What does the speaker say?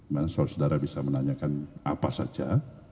dan saudara bisa menanyakan apa saja